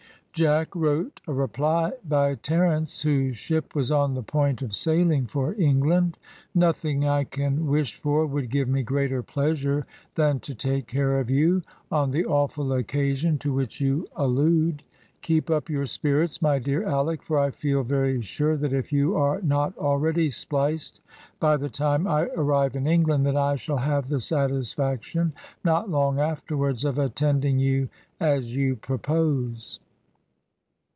Jack wrote a reply by Terence, whose ship was on the point of sailing for England. "Nothing I can wish for would give me greater pleasure than to take care of you on the awful occasion to which you allude. Keep up your spirits, my dear Alick, for I feel very sure that if you are not already spliced by the time I arrive in England, that I shall have the satisfaction, not long afterwards, of attending you as you propose.